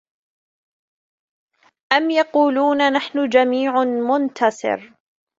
أَمْ يَقُولُونَ نَحْنُ جَمِيعٌ مُنْتَصِرٌ